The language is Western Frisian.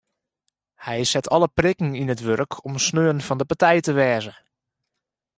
Hy set alle prikken yn it wurk om sneon fan de partij te wêze.